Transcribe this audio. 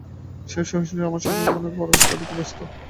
সেও সহিষ্ণুভাবে আমার সকলরকম ফরমাশ খাটিত এবং শাস্তি বহন করিত।